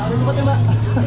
cepet ya mbak